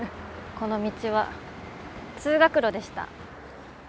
この道は通学路でした。